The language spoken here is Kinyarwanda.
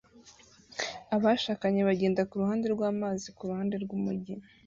Abashakanye bagenda kuruhande rwamazi kuruhande rwumujyi